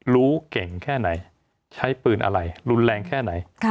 รู้เก่งแค่ไหนใช้ปืนอะไรรุนแรงแค่ไหน